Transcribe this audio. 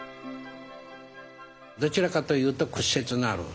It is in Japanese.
どちらかというと屈折のある。